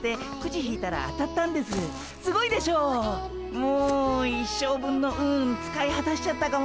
もう一生分の運使いはたしちゃったかも。